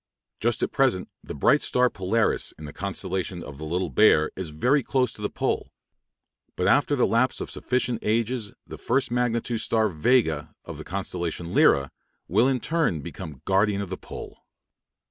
Just at present the bright star Polaris in the constellation of the Little Bear is very close to the pole. But after the lapse of sufficient ages the first magnitude star Vega of the constellation Lyra will in its turn become Guardian of the Pole.